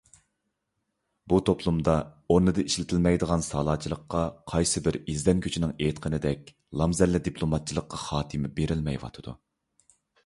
بۇ توپلۇمدا ئورنىدا ئىشلىتىلمەيدىغان سالاچىلىققا، قايسى بىر ئىزدەنگۈچىنىڭ ئېيتقىنىدەك "لامزەللە" دىپلوماتچىلىققا خاتىمە بېرىلمەيۋاتىدۇ.